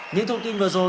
những thông tin vừa rồi